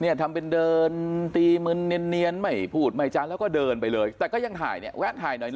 ทำเป็นเดินตีมึนเนียนไม่พูดไม่จานแล้วก็เดินไปเลยแต่ก็ยังถ่ายเนี่ยแวะถ่ายหน่อย